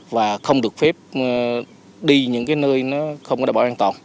và không được phép đi những nơi không đảm bảo an toàn